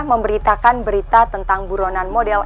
memberitakan berita tentang buronan model